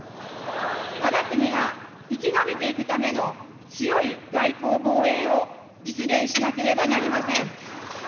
わが国が生き延びていくための強い外交・防衛を実現しなければなりません。